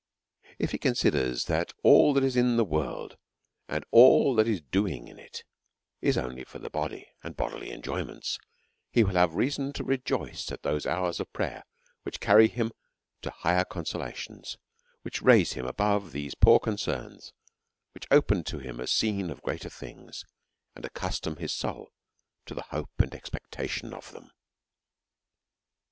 If he considers that all that is in the world, and all that is doing in it, is only for the I)ody and bodily enjoyments, he will have reason to rejoice at those hours of prayer, which carry him to higher consolations, which raise him above these poor concerns, which open to his mind a scene of greater things, and accustom his soul to the hope and expec tation of them.